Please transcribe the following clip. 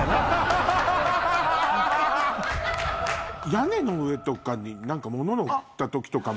屋根の上とかに何か物載ったときとかも。